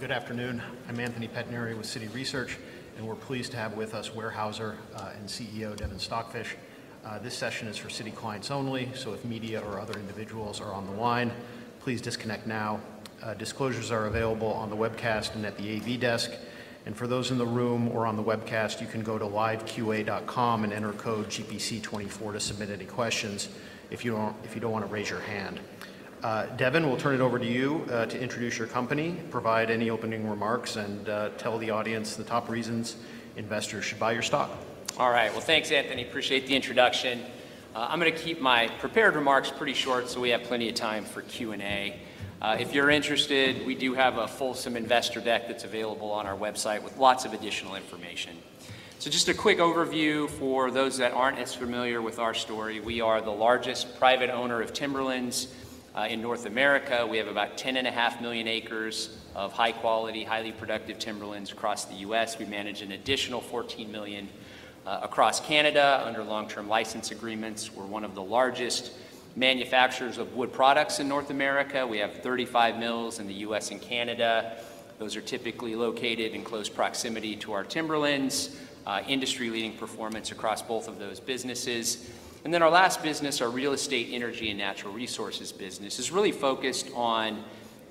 Good afternoon. I'm Anthony Pettinari with Citi Research, and we're pleased to have with us Weyerhaeuser and CEO Devin Stockfish. This session is for Citi clients only, so if media or other individuals are on the line, please disconnect now. Disclosures are available on the webcast and at the AV desk. For those in the room or on the webcast, you can go to liveqa.com and enter code GPC 24 to submit any questions if you don't want to raise your hand. Devin, we'll turn it over to you to introduce your company, provide any opening remarks, and tell the audience the top reasons investors should buy your stock. All right. Well, thanks, Anthony. Appreciate the introduction. I'm going to keep my prepared remarks pretty short so we have plenty of time for Q&A. If you're interested, we do have a fulsome investor deck that's available on our website with lots of additional information. So just a quick overview for those that aren't as familiar with our story, we are the largest private owner of timberlands in North America. We have about 10.5 million acres of high quality, highly productive timberlands across the U.S. We manage an additional 14 million across Canada under long-term license agreements. We're one of the largest manufacturers of wood products in North America. We have 35 mills in the U.S. and Canada. Those are typically located in close proximity to our timberlands, industry-leading performance across both of those businesses. Then our last business, our real estate, energy, and natural resources business, is really focused on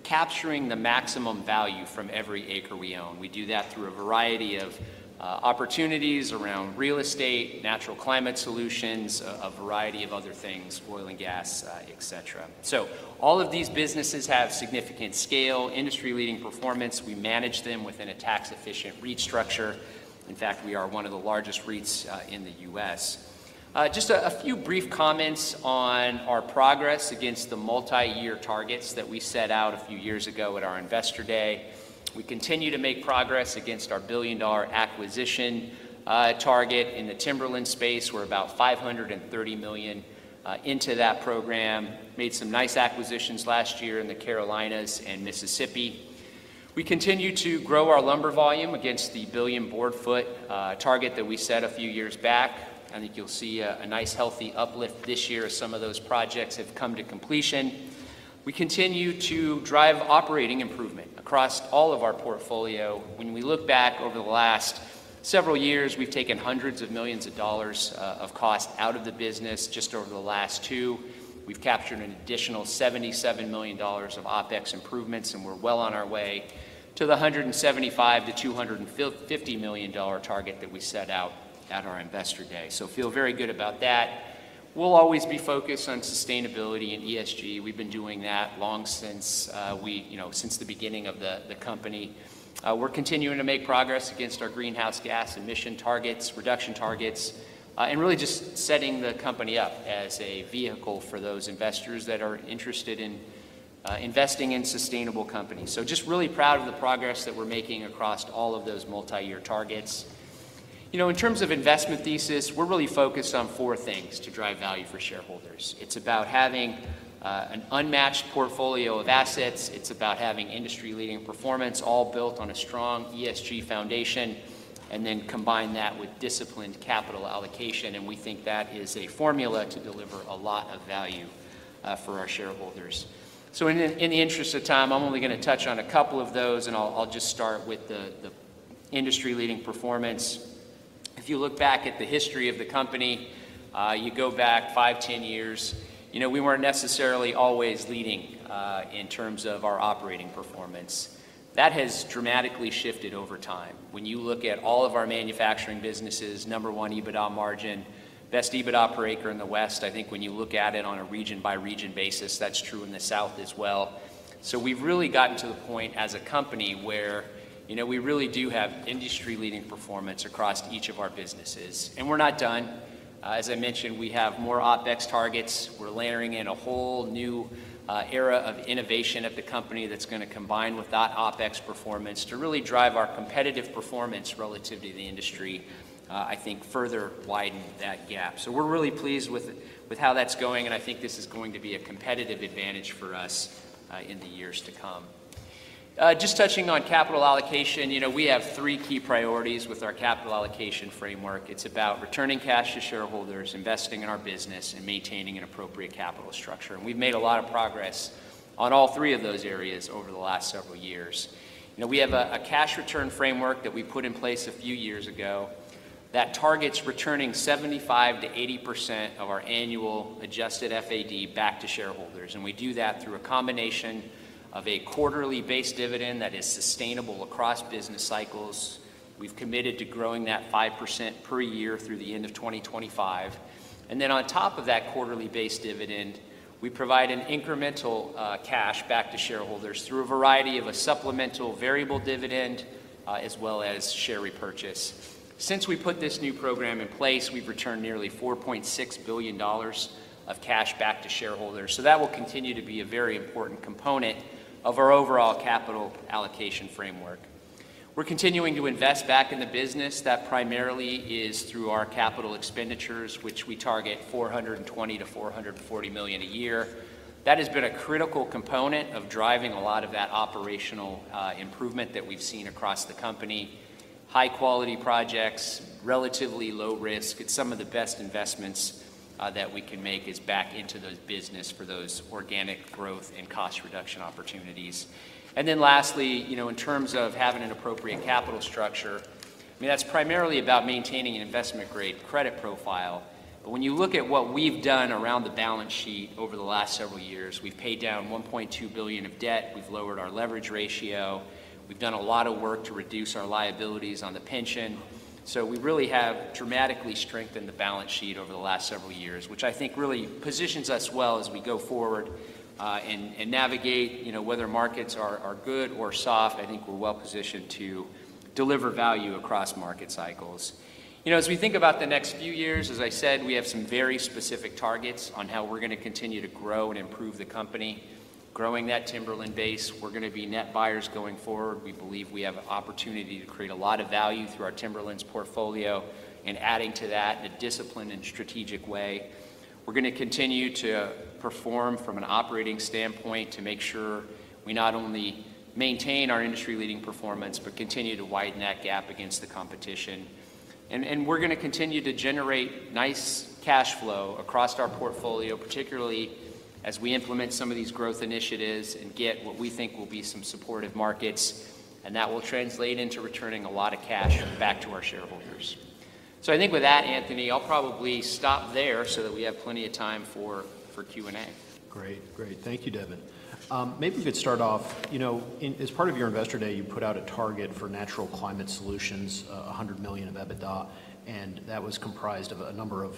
capturing the maximum value from every acre we own. We do that through a variety of opportunities around real estate, natural climate solutions, a variety of other things, oil and gas, etc. All of these businesses have significant scale, industry-leading performance. We manage them within a tax-efficient REIT structure. In fact, we are one of the largest REITs in the U.S. Just a few brief comments on our progress against the multi-year targets that we set out a few years ago at our investor day. We continue to make progress against our billion-dollar acquisition target in the timberland space. We're about $530 million into that program, made some nice acquisitions last year in the Carolinas and Mississippi. We continue to grow our lumber volume against the billion board foot target that we set a few years back. I think you'll see a nice, healthy uplift this year as some of those projects have come to completion. We continue to drive operating improvement across all of our portfolio. When we look back over the last several years, we've taken hundreds of millions of dollars of cost out of the business just over the last two. We've captured an additional $77 million of OpEx improvements, and we're well on our way to the $175 million-$250 million target that we set out at our investor day. So feel very good about that. We'll always be focused on sustainability and ESG. We've been doing that long since the beginning of the company. We're continuing to make progress against our greenhouse gas emission targets, reduction targets, and really just setting the company up as a vehicle for those investors that are interested in investing in sustainable companies. So just really proud of the progress that we're making across all of those multi-year targets. In terms of investment thesis, we're really focused on four things to drive value for shareholders. It's about having an unmatched portfolio of assets. It's about having industry-leading performance all built on a strong ESG foundation and then combine that with disciplined capital allocation. And we think that is a formula to deliver a lot of value for our shareholders. So in the interest of time, I'm only going to touch on a couple of those, and I'll just start with the industry-leading performance. If you look back at the history of the company, you go back five, 10 years, we weren't necessarily always leading in terms of our operating performance. That has dramatically shifted over time. When you look at all of our manufacturing businesses, number one EBITDA margin, best EBITDA per acre in the West, I think when you look at it on a region-by-region basis, that's true in the South as well. So we've really gotten to the point as a company where we really do have industry-leading performance across each of our businesses, and we're not done. As I mentioned, we have more OpEx targets. We're layering in a whole new era of innovation at the company that's going to combine with that OpEx performance to really drive our competitive performance relative to the industry, I think further widen that gap. So we're really pleased with how that's going, and I think this is going to be a competitive advantage for us in the years to come. Just touching on capital allocation, we have three key priorities with our capital allocation framework. It's about returning cash to shareholders, investing in our business, and maintaining an appropriate capital structure. And we've made a lot of progress on all three of those areas over the last several years. We have a cash return framework that we put in place a few years ago that targets returning 75%-80% of our annual Adjusted FAD back to shareholders. And we do that through a combination of a quarterly-based dividend that is sustainable across business cycles. We've committed to growing that 5% per year through the end of 2025. And then on top of that quarterly-based dividend, we provide an incremental cash back to shareholders through a variety of a supplemental variable dividend as well as share repurchase. Since we put this new program in place, we've returned nearly $4.6 billion of cash back to shareholders. So that will continue to be a very important component of our overall capital allocation framework. We're continuing to invest back in the business. That primarily is through our capital expenditures, which we target $420 million-$440 million a year. That has been a critical component of driving a lot of that operational improvement that we've seen across the company. High-quality projects, relatively low risk, it's some of the best investments that we can make is back into those business for those organic growth and cost reduction opportunities. Then lastly, in terms of having an appropriate capital structure, that's primarily about maintaining an investment-grade credit profile. When you look at what we've done around the balance sheet over the last several years, we've paid down $1.2 billion of debt. We've lowered our leverage ratio. We've done a lot of work to reduce our liabilities on the pension. We really have dramatically strengthened the balance sheet over the last several years, which I think really positions us well as we go forward and navigate whether markets are good or soft. I think we're well positioned to deliver value across market cycles. As we think about the next few years, as I said, we have some very specific targets on how we're going to continue to grow and improve the company, growing that timberland base. We're going to be net buyers going forward. We believe we have an opportunity to create a lot of value through our timberlands portfolio and adding to that in a disciplined and strategic way. We're going to continue to perform from an operating standpoint to make sure we not only maintain our industry-leading performance but continue to widen that gap against the competition. We're going to continue to generate nice cash flow across our portfolio, particularly as we implement some of these growth initiatives and get what we think will be some supportive markets. That will translate into returning a lot of cash back to our shareholders. I think with that, Anthony, I'll probably stop there so that we have plenty of time for Q&A. Great. Great. Thank you, Devin. Maybe we could start off. As part of your investor day, you put out a target for natural climate solutions, $100 million of EBITDA, and that was comprised of a number of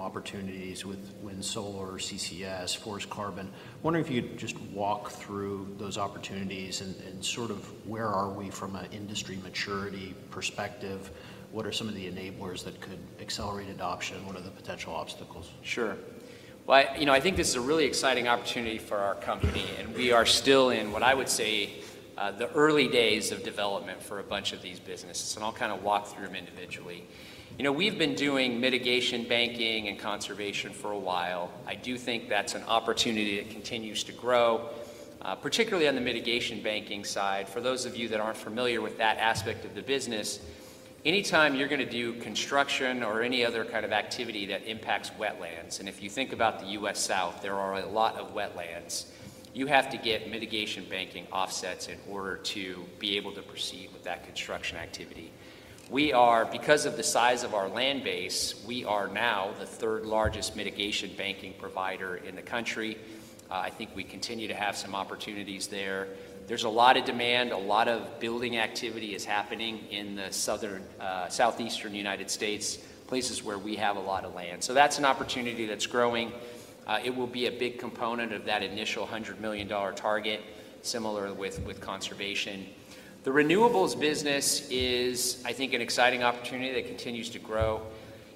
opportunities with wind, solar, CCS, forest carbon. Wondering if you could just walk through those opportunities and sort of where are we from an industry maturity perspective? What are some of the enablers that could accelerate adoption? What are the potential obstacles? Sure. Well, I think this is a really exciting opportunity for our company, and we are still in what I would say the early days of development for a bunch of these businesses. I'll kind of walk through them individually. We've been doing mitigation banking and conservation for a while. I do think that's an opportunity that continues to grow, particularly on the mitigation banking side. For those of you that aren't familiar with that aspect of the business, anytime you're going to do construction or any other kind of activity that impacts wetlands and if you think about the U.S. South, there are a lot of wetlands, you have to get mitigation banking offsets in order to be able to proceed with that construction activity. Because of the size of our land base, we are now the third largest mitigation banking provider in the country. I think we continue to have some opportunities there. There's a lot of demand. A lot of building activity is happening in the southeastern United States, places where we have a lot of land. So that's an opportunity that's growing. It will be a big component of that initial $100 million target, similar with conservation. The renewables business is, I think, an exciting opportunity that continues to grow.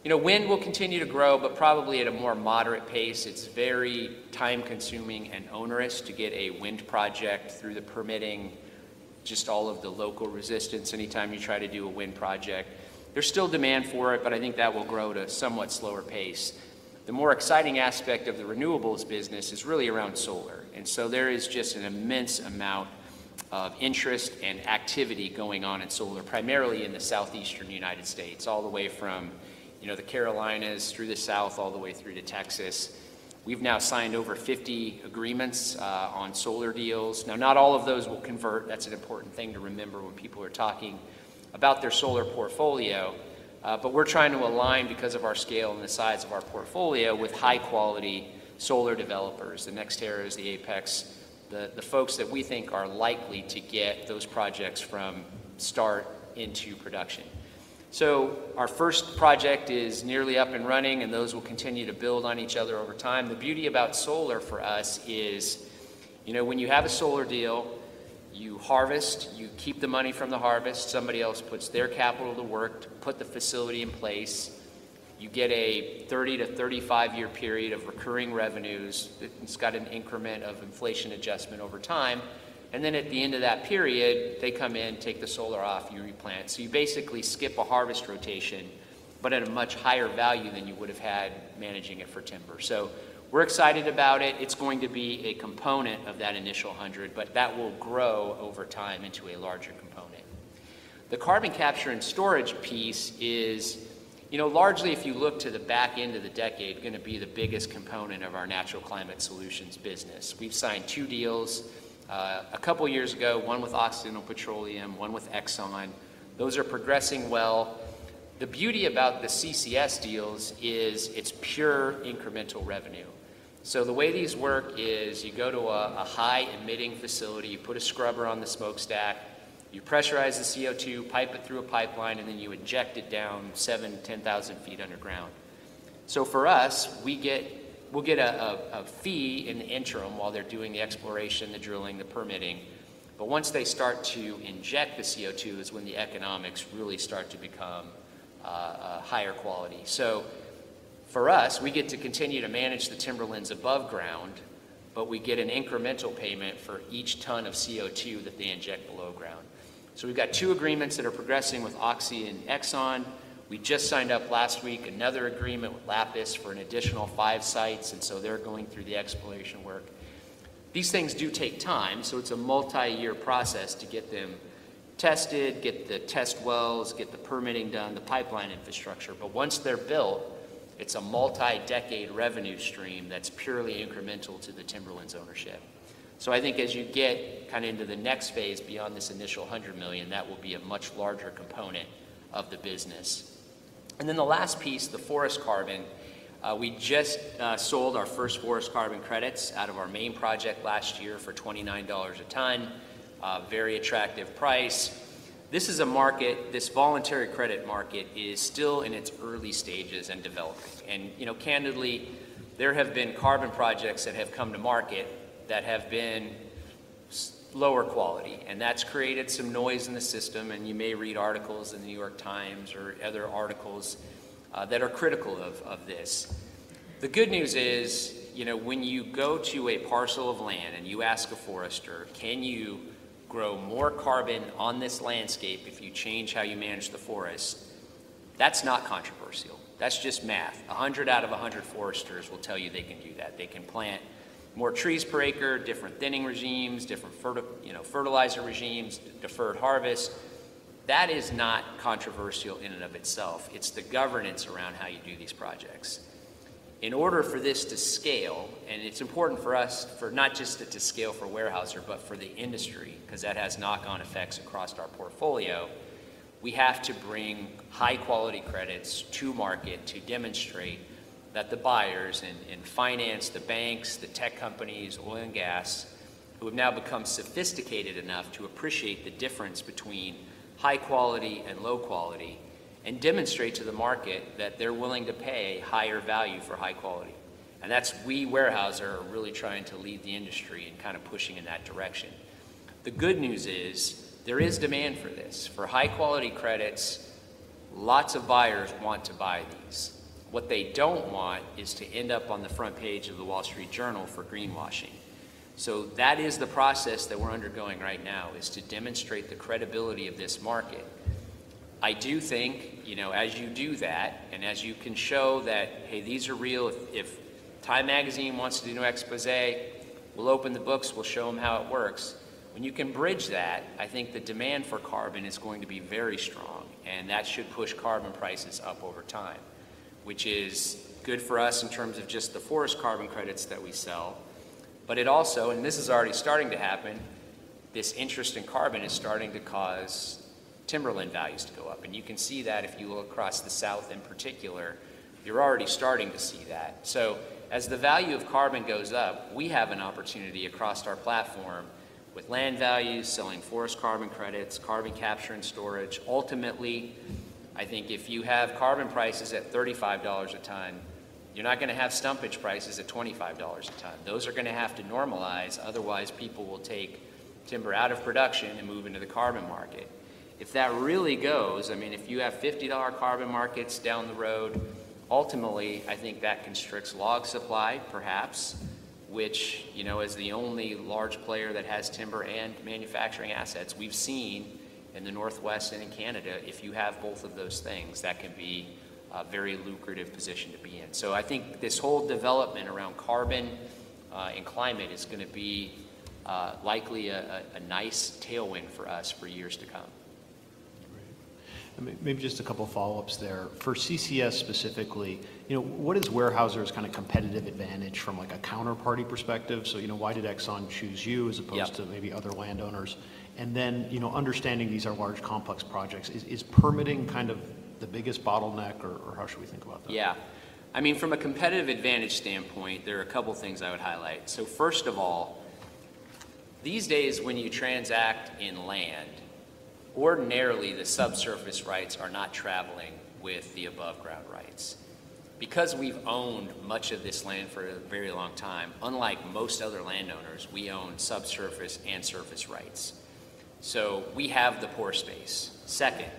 Wind will continue to grow, but probably at a more moderate pace. It's very time-consuming and onerous to get a wind project through the permitting, just all of the local resistance anytime you try to do a wind project. There's still demand for it, but I think that will grow at a somewhat slower pace. The more exciting aspect of the renewables business is really around solar. There is just an immense amount of interest and activity going on in solar, primarily in the Southeastern United States, all the way from the Carolinas through the South, all the way through to Texas. We've now signed over 50 agreements on solar deals. Now, not all of those will convert. That's an important thing to remember when people are talking about their solar portfolio. But we're trying to align because of our scale and the size of our portfolio with high-quality solar developers. NextEra and Apex, the folks that we think are likely to get those projects from start into production. Our first project is nearly up and running, and those will continue to build on each other over time. The beauty about solar for us is when you have a solar deal, you harvest, you keep the money from the harvest, somebody else puts their capital to work to put the facility in place, you get a 30- to 35-year period of recurring revenues, it's got an increment of inflation adjustment over time. And then at the end of that period, they come in, take the solar off, you replant. So you basically skip a harvest rotation, but at a much higher value than you would have had managing it for timber. So we're excited about it. It's going to be a component of that initial 100, but that will grow over time into a larger component. The carbon capture and storage piece is largely, if you look to the back end of the decade, going to be the biggest component of our natural climate solutions business. We've signed two deals a couple of years ago, one with Occidental Petroleum, one with Exxon. Those are progressing well. The beauty about the CCS deals is it's pure incremental revenue. So the way these work is you go to a high-emitting facility, you put a scrubber on the smokestack, you pressurize the CO2, pipe it through a pipeline, and then you inject it down 7,000, 10,000 feet underground. So for us, we'll get a fee in the interim while they're doing the exploration, the drilling, the permitting. But once they start to inject the CO2 is when the economics really start to become higher quality. So for us, we get to continue to manage the timberlands above ground, but we get an incremental payment for each ton of CO2 that they inject below ground. So we've got two agreements that are progressing with OXY and Exxon. We just signed up last week another agreement with Lapis for an additional five sites. So they're going through the exploration work. These things do take time. So it's a multi-year process to get them tested, get the test wells, get the permitting done, the pipeline infrastructure. But once they're built, it's a multi-decade revenue stream that's purely incremental to the timberlands ownership. So I think as you get kind of into the next phase beyond this initial $100 million, that will be a much larger component of the business. Then the last piece, the forest carbon, we just sold our first forest carbon credits out of our main project last year for $29 a ton, very attractive price. This is a market, this voluntary credit market is still in its early stages and developing. And candidly, there have been carbon projects that have come to market that have been lower quality, and that's created some noise in the system. And you may read articles in The New York Times or other articles that are critical of this. The good news is when you go to a parcel of land and you ask a forester, "Can you grow more carbon on this landscape if you change how you manage the forest?" That's not controversial. That's just math. 100 out of 100 foresters will tell you they can do that. They can plant more trees per acre, different thinning regimes, different fertilizer regimes, deferred harvest. That is not controversial in and of itself. It's the governance around how you do these projects. In order for this to scale, and it's important for us, not just to scale for Weyerhaeuser, but for the industry, because that has knock-on effects across our portfolio, we have to bring high-quality credits to market to demonstrate that the buyers and finance, the banks, the tech companies, oil and gas, who have now become sophisticated enough to appreciate the difference between high quality and low quality and demonstrate to the market that they're willing to pay higher value for high quality. And that's we, Weyerhaeuser, are really trying to lead the industry and kind of pushing in that direction. The good news is there is demand for this, for high-quality credits. Lots of buyers want to buy these. What they don't want is to end up on the front page of The Wall Street Journal for greenwashing. So that is the process that we're undergoing right now, is to demonstrate the credibility of this market. I do think as you do that and as you can show that, "Hey, these are real. If Time Magazine wants to do an exposé, we'll open the books. We'll show them how it works." When you can bridge that, I think the demand for carbon is going to be very strong, and that should push carbon prices up over time, which is good for us in terms of just the forest carbon credits that we sell. But it also, and this is already starting to happen, this interest in carbon is starting to cause timberland values to go up. And you can see that if you look across the South in particular, you're already starting to see that. So as the value of carbon goes up, we have an opportunity across our platform with land values, selling forest carbon credits, carbon capture and storage. Ultimately, I think if you have carbon prices at $35 a ton, you're not going to have stumpage prices at $25 a ton. Those are going to have to normalize. Otherwise, people will take timber out of production and move into the carbon market. If that really goes, I mean, if you have $50 carbon markets down the road, ultimately, I think that constricts log supply, perhaps, which as the only large player that has timber and manufacturing assets we've seen in the Northwest and in Canada, if you have both of those things, that can be a very lucrative position to be in. I think this whole development around carbon and climate is going to be likely a nice tailwind for us for years to come. Great. Maybe just a couple of follow-ups there. For CCS specifically, what is Weyerhaeuser's kind of competitive advantage from a counterparty perspective? So why did Exxon choose you as opposed to maybe other landowners? And then understanding these are large, complex projects, is permitting kind of the biggest bottleneck, or how should we think about that? Yeah. I mean, from a competitive advantage standpoint, there are a couple of things I would highlight. So first of all, these days when you transact in land, ordinarily the subsurface rights are not traveling with the above-ground rights. Because we've owned much of this land for a very long time, unlike most other landowners, we own subsurface and surface rights. So we have the pore space. Second,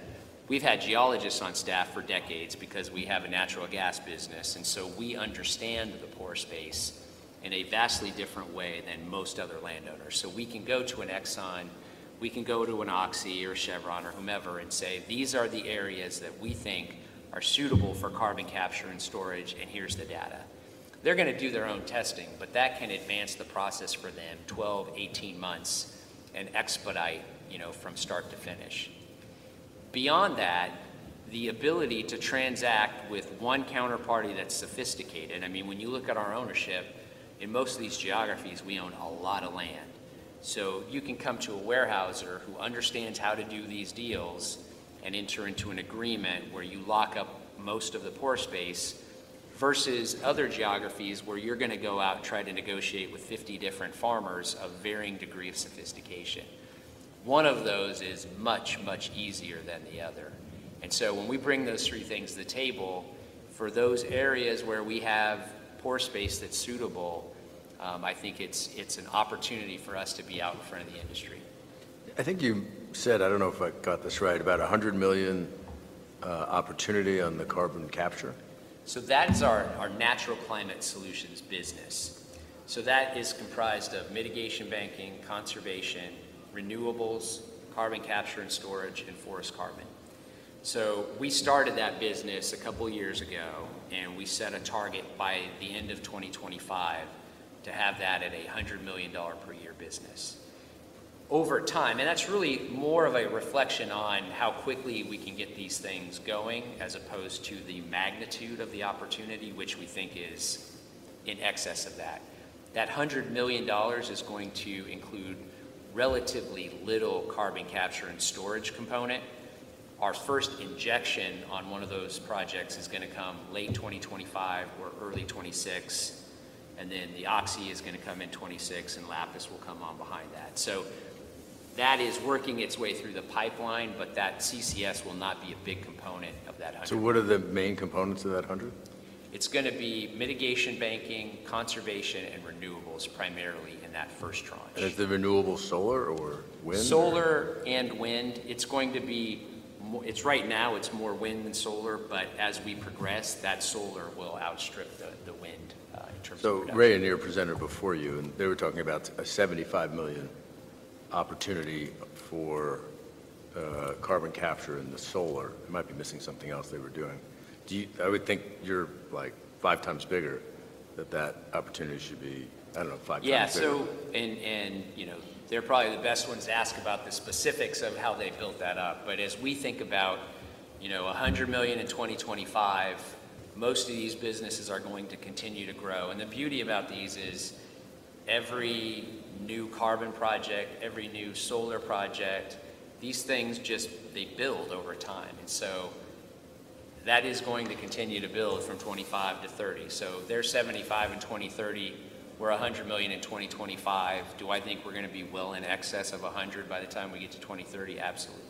we've had geologists on staff for decades because we have a natural gas business. And so we understand the pore space in a vastly different way than most other landowners. So we can go to an Exxon, we can go to an OXY or Chevron or whomever and say, "These are the areas that we think are suitable for carbon capture and storage, and here's the data." They're going to do their own testing, but that can advance the process for them 12-18 months and expedite from start to finish. Beyond that, the ability to transact with one counterparty that's sophisticated. I mean, when you look at our ownership in most of these geographies, we own a lot of land. So you can come to a Weyerhaeuser who understands how to do these deals and enter into an agreement where you lock up most of the pore space versus other geographies where you're going to go out and try to negotiate with 50 different farmers of varying degree of sophistication. One of those is much, much easier than the other. And so when we bring those three things to the table, for those areas where we have pore space that's suitable, I think it's an opportunity for us to be out in front of the industry. I think you said, I don't know if I got this right, about $100 million opportunity on the carbon capture. So that is our natural climate solutions business. So that is comprised of mitigation banking, conservation, renewables, carbon capture and storage, and forest carbon. So we started that business a couple of years ago, and we set a target by the end of 2025 to have that at a $100 million per year business over time. And that's really more of a reflection on how quickly we can get these things going as opposed to the magnitude of the opportunity, which we think is in excess of that. That $100 million is going to include relatively little carbon capture and storage component. Our first injection on one of those projects is going to come late 2025 or early 2026. And then the Oxy is going to come in 2026, and Lapis will come on behind that. So that is working its way through the pipeline, but that CCS will not be a big component of that 100. What are the main components of that 100? It's going to be mitigation banking, conservation, and renewables, primarily in that first tranche. Is the renewable solar or wind? Solar and wind. It's going to be right now, it's more wind than solar. But as we progress, that solar will outstrip the wind in terms of production. So Rayonier presenter before you, and they were talking about a $75 million opportunity for carbon capture in the solar. I might be missing something else they were doing. I would think you're like five times bigger than that opportunity should be, I don't know, five times bigger. Yeah. So and they're probably the best ones to ask about the specifics of how they built that up. But as we think about $100 million in 2025, most of these businesses are going to continue to grow. And the beauty about these is every new carbon project, every new solar project, these things just, they build over time. And so that is going to continue to build from 2025 to 2030. So they're $75 million in 2030. We're $100 million in 2025. Do I think we're going to be well in excess of $100 million by the time we get to 2030? Absolutely.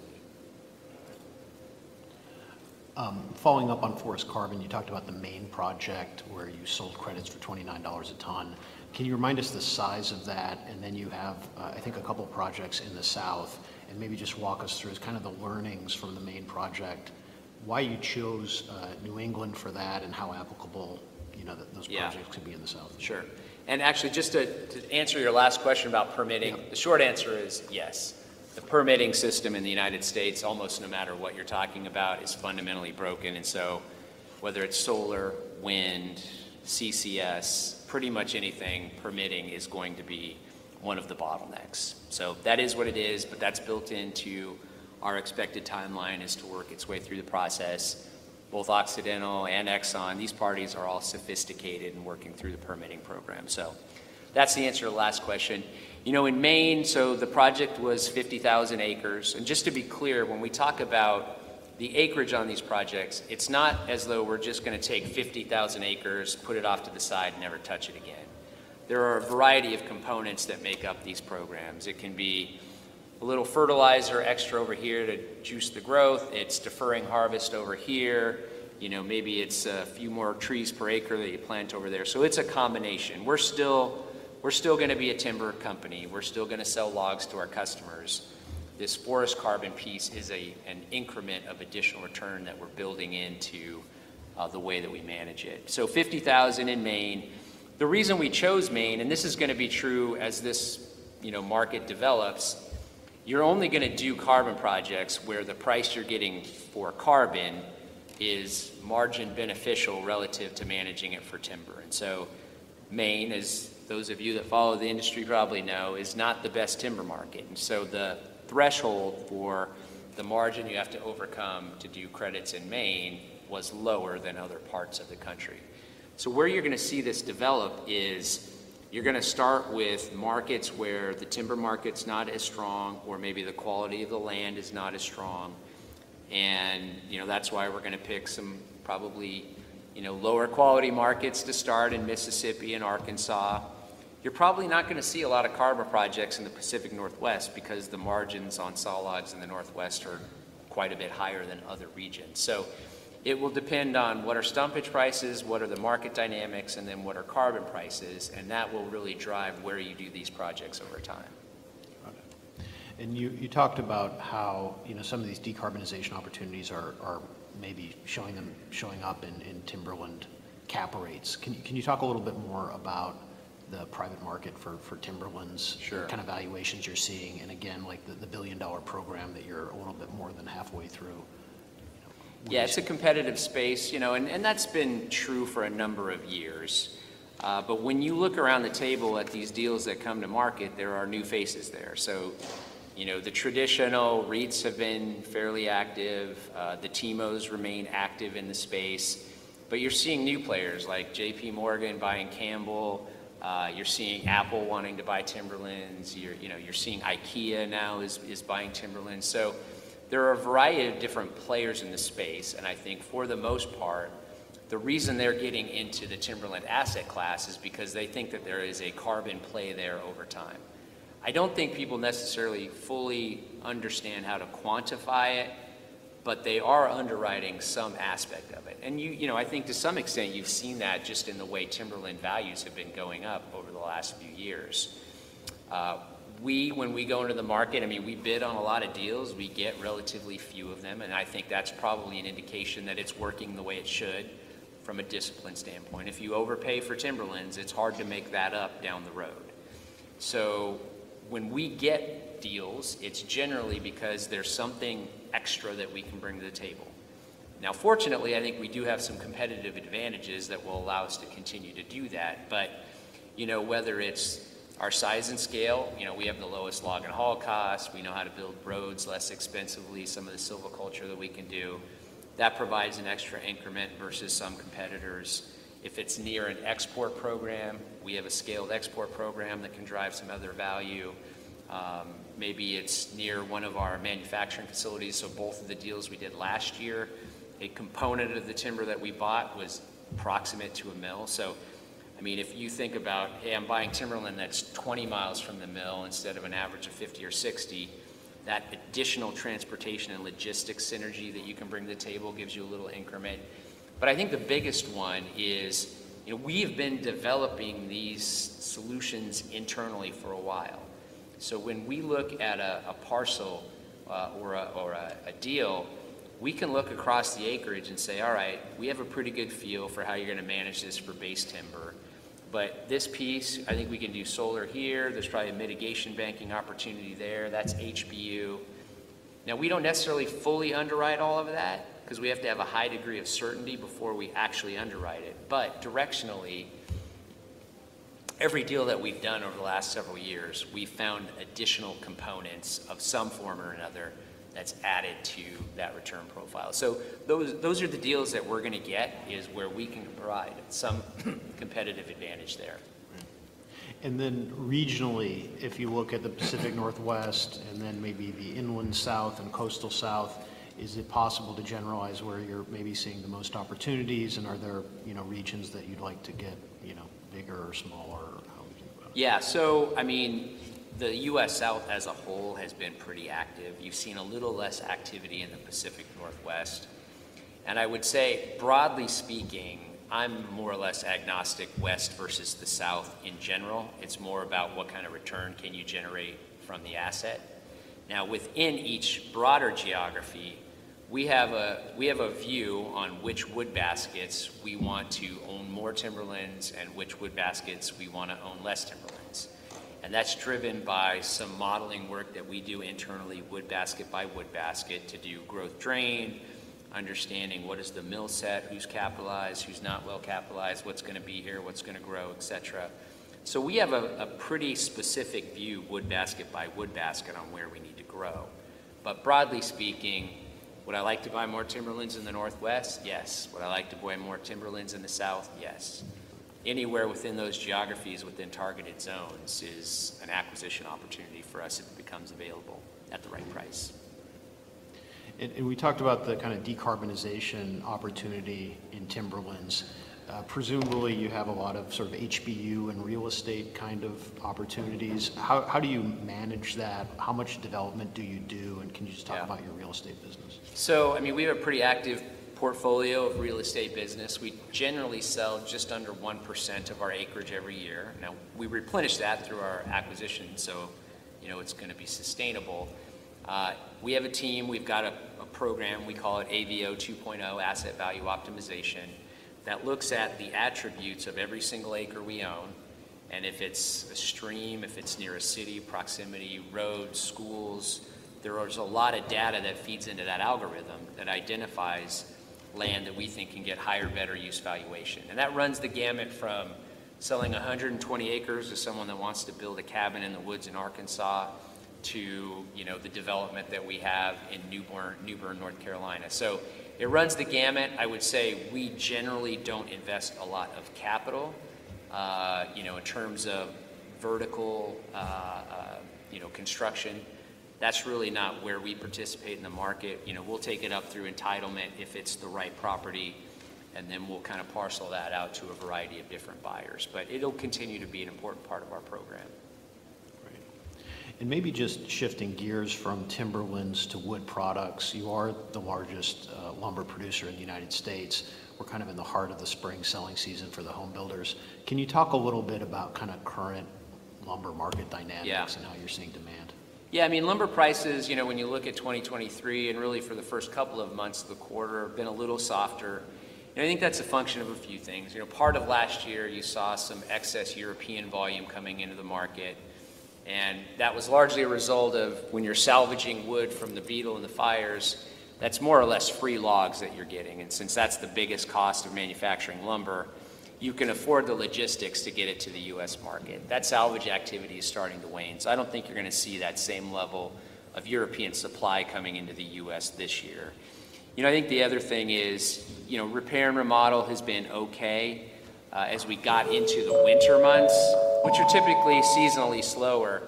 Following up on forest carbon, you talked about the main project where you sold credits for $29 a ton. Can you remind us the size of that? And then you have, I think, a couple of projects in the South. And maybe just walk us through kind of the learnings from the main project, why you chose New England for that and how applicable those projects could be in the South. Sure. And actually, just to answer your last question about permitting, the short answer is yes. The permitting system in the United States, almost no matter what you're talking about, is fundamentally broken. And so whether it's solar, wind, CCS, pretty much anything permitting is going to be one of the bottlenecks. So that is what it is, but that's built into our expected timeline is to work its way through the process. Both Occidental and Exxon, these parties are all sophisticated and working through the permitting program. So that's the answer to the last question. In Maine, so the project was 50,000 acres. And just to be clear, when we talk about the acreage on these projects, it's not as though we're just going to take 50,000 acres, put it off to the side, and never touch it again. There are a variety of components that make up these programs. It can be a little fertilizer extra over here to juice the growth. It's deferring harvest over here. Maybe it's a few more trees per acre that you plant over there. So it's a combination. We're still going to be a timber company. We're still going to sell logs to our customers. This forest carbon piece is an increment of additional return that we're building into the way that we manage it. So 50,000 in Maine. The reason we chose Maine, and this is going to be true as this market develops, you're only going to do carbon projects where the price you're getting for carbon is margin beneficial relative to managing it for timber. And so Maine, as those of you that follow the industry probably know, is not the best timber market. The threshold for the margin you have to overcome to do credits in Maine was lower than other parts of the country. Where you're going to see this develop is you're going to start with markets where the timber market's not as strong or maybe the quality of the land is not as strong. That's why we're going to pick some probably lower quality markets to start in Mississippi and Arkansas. You're probably not going to see a lot of carbon projects in the Pacific Northwest because the margins on saw logs in the Northwest are quite a bit higher than other regions. It will depend on what are stumpage prices, what are the market dynamics, and then what are carbon prices. That will really drive where you do these projects over time. Got it. And you talked about how some of these decarbonization opportunities are maybe showing up in timberland cap rates. Can you talk a little bit more about the private market for timberland's kind of valuations you're seeing? And again, the billion-dollar program that you're a little bit more than halfway through. Yeah, it's a competitive space. That's been true for a number of years. But when you look around the table at these deals that come to market, there are new faces there. The traditional REITs have been fairly active. The TIMOs remain active in the space. But you're seeing new players like JPMorgan buying Campbell. You're seeing Apple wanting to buy timberlands. You're seeing IKEA now is buying timberlands. There are a variety of different players in the space. I think for the most part, the reason they're getting into the timberland asset class is because they think that there is a carbon play there over time. I don't think people necessarily fully understand how to quantify it, but they are underwriting some aspect of it. And I think to some extent, you've seen that just in the way timberland values have been going up over the last few years. When we go into the market, I mean, we bid on a lot of deals. We get relatively few of them. And I think that's probably an indication that it's working the way it should from a discipline standpoint. If you overpay for timberlands, it's hard to make that up down the road. So when we get deals, it's generally because there's something extra that we can bring to the table. Now, fortunately, I think we do have some competitive advantages that will allow us to continue to do that. But whether it's our size and scale, we have the lowest log and haul costs. We know how to build roads less expensively. Some of the silviculture that we can do, that provides an extra increment versus some competitors. If it's near an export program, we have a scaled export program that can drive some other value. Maybe it's near one of our manufacturing facilities. So both of the deals we did last year, a component of the timber that we bought was proximate to a mill. So I mean, if you think about, hey, I'm buying timberland that's 20 miles from the mill instead of an average of 50 or 60, that additional transportation and logistics synergy that you can bring to the table gives you a little increment. But I think the biggest one is we've been developing these solutions internally for a while. So when we look at a parcel or a deal, we can look across the acreage and say, all right, we have a pretty good feel for how you're going to manage this for base timber. But this piece, I think we can do solar here. There's probably a mitigation banking opportunity there. That's HBU. Now, we don't necessarily fully underwrite all of that because we have to have a high degree of certainty before we actually underwrite it. But directionally, every deal that we've done over the last several years, we've found additional components of some form or another that's added to that return profile. So those are the deals that we're going to get is where we can provide some competitive advantage there. Great. Then regionally, if you look at the Pacific Northwest and then maybe the Inland South and Coastal South, is it possible to generalize where you're maybe seeing the most opportunities? Are there regions that you'd like to get bigger or smaller or how would you do about it? Yeah. So I mean, the U.S. South as a whole has been pretty active. You've seen a little less activity in the Pacific Northwest. And I would say, broadly speaking, I'm more or less agnostic West versus the South in general. It's more about what kind of return can you generate from the asset? Now, within each broader geography, we have a view on which wood baskets we want to own more timberlands and which wood baskets we want to own less timberlands. And that's driven by some modeling work that we do internally, wood basket by wood basket, to do growth drain, understanding what is the mill set, who's capitalized, who's not well capitalized, what's going to be here, what's going to grow, etc. So we have a pretty specific view, wood basket by wood basket, on where we need to grow. Broadly speaking, would I like to buy more timberlands in the Northwest? Yes. Would I like to buy more timberlands in the South? Yes. Anywhere within those geographies, within targeted zones, is an acquisition opportunity for us if it becomes available at the right price. And we talked about the kind of decarbonization opportunity in timberlands. Presumably, you have a lot of sort of HBU and real estate kind of opportunities. How do you manage that? How much development do you do? And can you just talk about your real estate business? So I mean, we have a pretty active portfolio of real estate business. We generally sell just under 1% of our acreage every year. Now, we replenish that through our acquisition. So it's going to be sustainable. We have a team. We've got a program. We call it AVO 2.0, Asset Value Optimization, that looks at the attributes of every single acre we own. And if it's a stream, if it's near a city, proximity, roads, schools, there is a lot of data that feeds into that algorithm that identifies land that we think can get higher, better use valuation. And that runs the gamut from selling 120 acres to someone that wants to build a cabin in the woods in Arkansas to the development that we have in New Bern, North Carolina. So it runs the gamut. I would say we generally don't invest a lot of capital in terms of vertical construction. That's really not where we participate in the market. We'll take it up through entitlement if it's the right property, and then we'll kind of parcel that out to a variety of different buyers. But it'll continue to be an important part of our program. Great. And maybe just shifting gears from timberlands to wood products, you are the largest lumber producer in the United States. We're kind of in the heart of the spring selling season for the home builders. Can you talk a little bit about kind of current lumber market dynamics and how you're seeing demand? Yeah. I mean, lumber prices, when you look at 2023 and really for the first couple of months, the quarter have been a little softer. And I think that's a function of a few things. Part of last year, you saw some excess European volume coming into the market. And that was largely a result of when you're salvaging wood from the beetle and the fires, that's more or less free logs that you're getting. And since that's the biggest cost of manufacturing lumber, you can afford the logistics to get it to the U.S. market. That salvage activity is starting to wane. So I don't think you're going to see that same level of European supply coming into the U.S. this year. I think the other thing is repair and remodel has been okay as we got into the winter months, which are typically seasonally slower.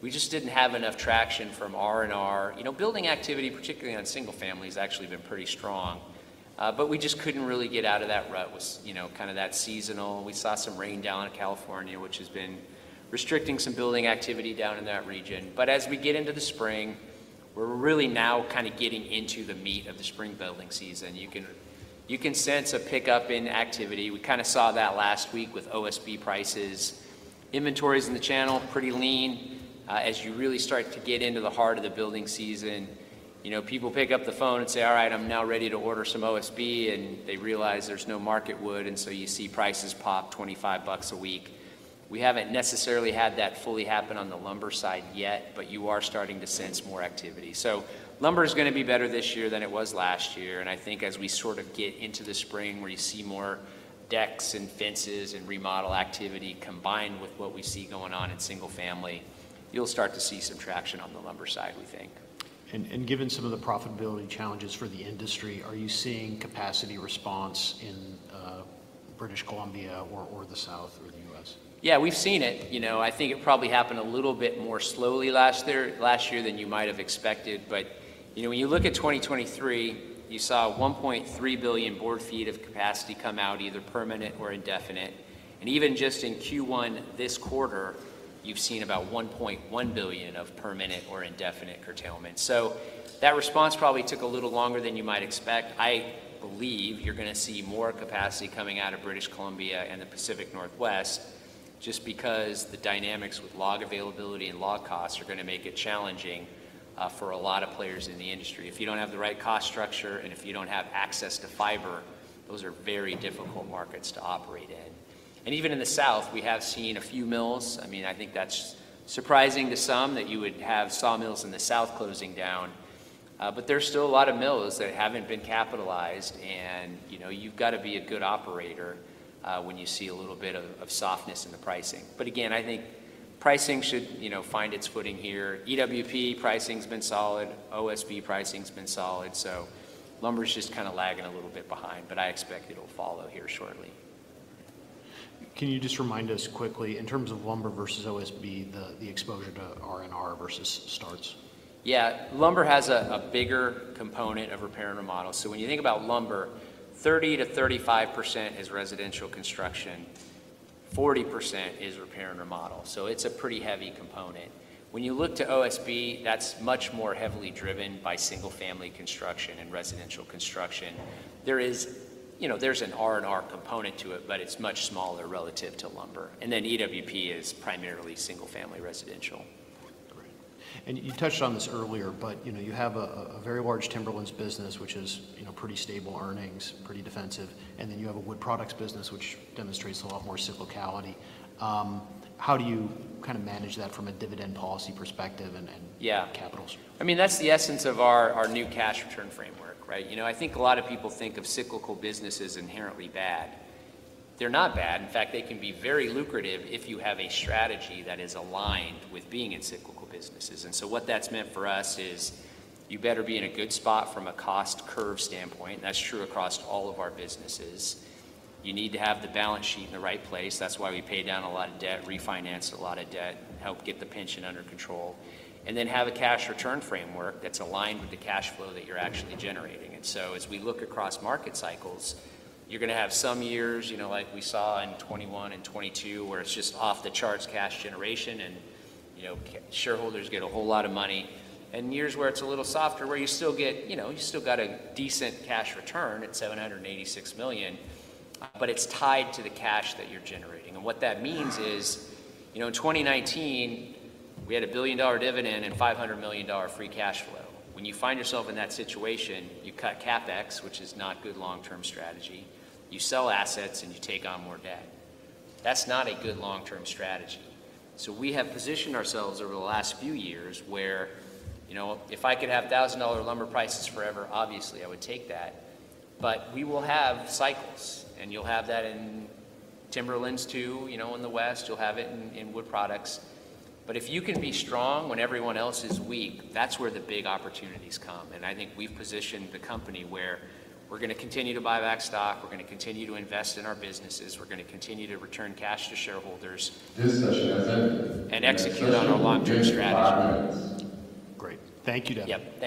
We just didn't have enough traction from R&R. Building activity, particularly on single families, actually been pretty strong. But we just couldn't really get out of that rut with kind of that seasonal. We saw some rain down in California, which has been restricting some building activity down in that region. But as we get into the spring, we're really now kind of getting into the meat of the spring building season. You can sense a pickup in activity. We kind of saw that last week with OSB prices. Inventories in the channel pretty lean. As you really start to get into the heart of the building season, people pick up the phone and say, all right, I'm now ready to order some OSB. And they realize there's no market wood. And so you see prices pop $25 a week. We haven't necessarily had that fully happen on the lumber side yet, but you are starting to sense more activity. Lumber is going to be better this year than it was last year. I think as we sort of get into the spring where you see more decks and fences and remodel activity combined with what we see going on in single family, you'll start to see some traction on the lumber side, we think. Given some of the profitability challenges for the industry, are you seeing capacity response in British Columbia or the South or the U.S.? Yeah, we've seen it. I think it probably happened a little bit more slowly last year than you might have expected. But when you look at 2023, you saw 1.3 billion board feet of capacity come out either permanent or indefinite. And even just in Q1 this quarter, you've seen about 1.1 billion of permanent or indefinite curtailment. So that response probably took a little longer than you might expect. I believe you're going to see more capacity coming out of British Columbia and the Pacific Northwest just because the dynamics with log availability and log costs are going to make it challenging for a lot of players in the industry. If you don't have the right cost structure and if you don't have access to fiber, those are very difficult markets to operate in. And even in the South, we have seen a few mills. I mean, I think that's surprising to some that you would have sawmills in the South closing down. But there's still a lot of mills that haven't been capitalized. And you've got to be a good operator when you see a little bit of softness in the pricing. But again, I think pricing should find its footing here. EWP pricing's been solid. OSB pricing's been solid. So lumber's just kind of lagging a little bit behind. But I expect it'll follow here shortly. Can you just remind us quickly, in terms of lumber versus OSB, the exposure to R&R versus starts? Yeah. Lumber has a bigger component of repair and remodel. So when you think about lumber, 30%-35% is residential construction. 40% is repair and remodel. So it's a pretty heavy component. When you look to OSB, that's much more heavily driven by single-family construction and residential construction. There's an R&R component to it, but it's much smaller relative to lumber. And then EWP is primarily single-family residential. Great. You touched on this earlier, but you have a very large timberlands business, which is pretty stable earnings, pretty defensive. Then you have a wood products business, which demonstrates a lot more cyclicality. How do you kind of manage that from a dividend policy perspective and capital? Yeah. I mean, that's the essence of our new cash return framework, right? I think a lot of people think of cyclical businesses inherently bad. They're not bad. In fact, they can be very lucrative if you have a strategy that is aligned with being in cyclical businesses. And so what that's meant for us is you better be in a good spot from a cost curve standpoint. And that's true across all of our businesses. You need to have the balance sheet in the right place. That's why we pay down a lot of debt, refinance a lot of debt, help get the pension under control, and then have a cash return framework that's aligned with the cash flow that you're actually generating. And so as we look across market cycles, you're going to have some years like we saw in 2021 and 2022 where it's just off the charts cash generation and shareholders get a whole lot of money. And years where it's a little softer, where you still got a decent cash return at $786 million, but it's tied to the cash that you're generating. And what that means is in 2019, we had a billion-dollar dividend and $500 million free cash flow. When you find yourself in that situation, you cut CapEx, which is not good long-term strategy. You sell assets and you take on more debt. That's not a good long-term strategy. So we have positioned ourselves over the last few years where if I could have $1,000 lumber prices forever, obviously, I would take that. But we will have cycles. And you'll have that in timberlands too in the West. You'll have it in wood products. But if you can be strong when everyone else is weak, that's where the big opportunities come. And I think we've positioned the company where we're going to continue to buy back stock. We're going to continue to invest in our businesses. We're going to continue to return cash to shareholders. Execute on our long-term strategy. Great. Thank you, Devin. Yep.